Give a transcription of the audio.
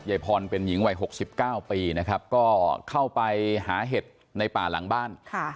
พรเป็นหญิงวัย๖๙ปีนะครับก็เข้าไปหาเห็ดในป่าหลังบ้าน